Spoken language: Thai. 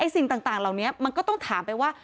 สิ่งต่างเหล่านี้มันก็ต้องถามไปว่า